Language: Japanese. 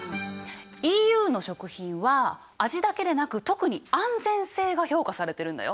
ＥＵの食品は味だけでなく特に安全性が評価されてるんだよ。